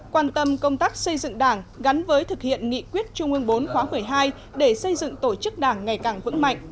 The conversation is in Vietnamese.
quan tâm công tác xây dựng đảng gắn với thực hiện nghị quyết trung ương bốn khóa một mươi hai để xây dựng tổ chức đảng ngày càng vững mạnh